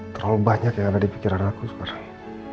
terlalu banyak yang ada di pikiran aku sekarang